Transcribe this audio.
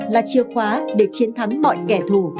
là chìa khóa để chiến thắng mọi kẻ thù